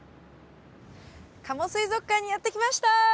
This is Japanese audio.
加茂水族館にやって来ました。